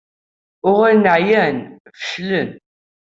Uɣalen ɛyan, feclen.